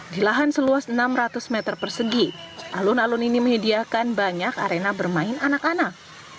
di lahan seluas enam ratus meter persegi alun alun ini menyediakan banyak arena bermain anak anak